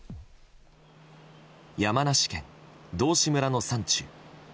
山梨県道志村の山中。